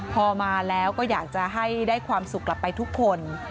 พอมาแล้วก็อยากจะให้ได้ความสุขกลับไปทุกคน